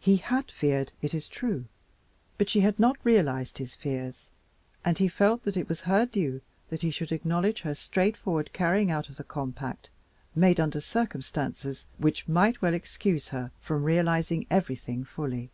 He HAD feared, it is true, but she had not realized his fears, and he felt that it was her due that he should acknowledge her straightforward carrying out of the compact made under circumstances which might well excuse her from realizing everything fully.